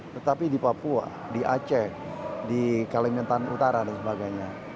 tetapi di papua di aceh di kalimantan utara dan sebagainya